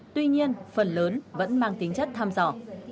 tuy nhiên phần lớn vẫn mang tính chất tham dọ